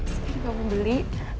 sekarang kamu beli